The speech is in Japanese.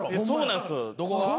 そうなんす。